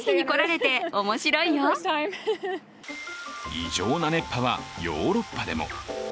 異常な熱波はヨーロッパでも。